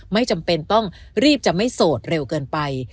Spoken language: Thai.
ไม่จำเป็นต้องรีบจะไม่โสดเร็วเกินไป